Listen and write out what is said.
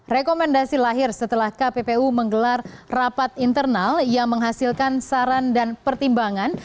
rekomendasi lahir setelah kppu menggelar rapat internal yang menghasilkan saran dan pertimbangan